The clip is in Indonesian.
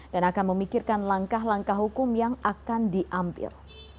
dan akan memikirkan langkah langkah hukum yang akan diambil